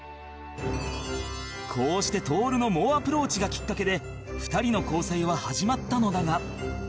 こうして徹の猛アプローチがきっかけで２人の交際は始まったのだが